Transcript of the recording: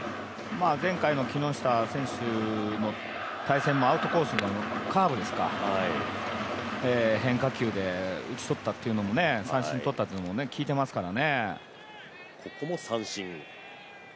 前回の木下選手の対戦もアウトコース、カーブですか、変化球で打ち取った、三振取ったってのも聞いてますから。